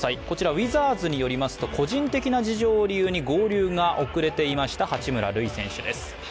ウィザーズによりますと個人的な理由で合流が遅れていました八村塁選手です。